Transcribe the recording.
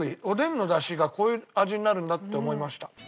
おでんの出汁がこういう味になるんだって思いました。